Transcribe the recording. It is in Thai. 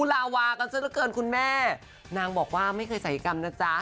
ลาวากันซะละเกินคุณแม่นางบอกว่าไม่เคยศัยกรรมนะจ๊ะ